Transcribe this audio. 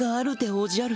おじゃる？